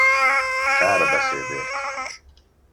Kár a beszédért!